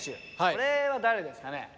これは誰ですかね？